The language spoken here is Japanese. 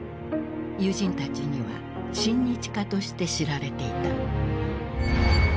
友人たちには親日家として知られていた。